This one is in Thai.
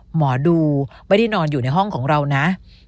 หมอดูไม่ได้นอนอยู่ในห้องของเรานะ